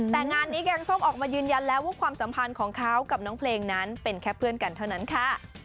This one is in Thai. แต่งานนี้แกงส้มออกมายืนยันแล้วว่าความสัมพันธ์ของเขากับน้องเพลงนั้นเป็นแค่เพื่อนกันเท่านั้นค่ะ